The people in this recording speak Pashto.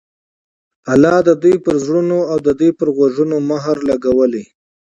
الله د دوى پر زړونو او د دوى په غوږونو مهر لګولى